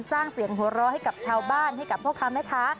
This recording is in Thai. สร้างเสียงหัวเราะให้กับชาวบ้านให้กับพ่อค้าแม่ค้า